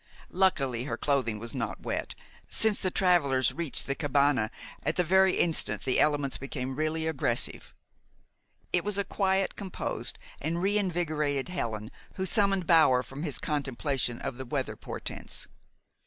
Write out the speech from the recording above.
Luckily her clothing was not wet, since the travelers reached the cabane at the very instant the elements became really aggressive. It was a quite composed and reinvigorated Helen who summoned Bower from his contemplation of the weather portents.